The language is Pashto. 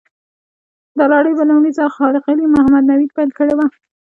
دا لړۍ په لومړي ځل ښاغلي محمد نوید پیل کړې وه.